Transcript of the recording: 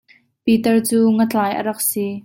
Piter cu ngatlai a rak si.